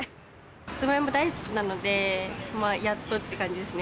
さつまいも大好きなので、やっとって感じですね。